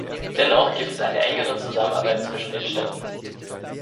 Dennoch gibt es eine engere Zusammenarbeit zwischen den Städten.